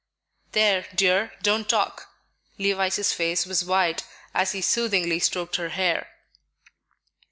"There, dear, don't talk." Levice's face was white as he soothingly stroked her hair.